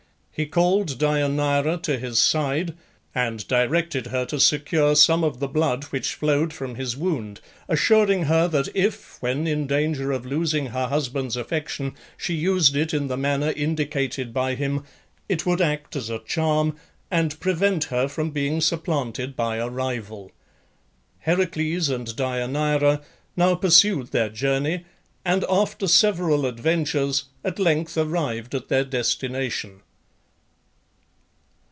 He called Deianeira to his side, and directed her to secure some of the blood which flowed from his wound, assuring her that if, when in danger of losing her husband's affection, she used it in the manner indicated by him, it would act as a charm, and prevent her from being supplanted by a rival. Heracles and Deianeira now pursued their journey, and after several adventures at length arrived at their destination.